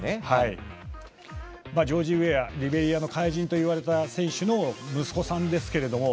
ジョージ・ウェアリベリアの怪人といわれた選手の息子さんですけれども。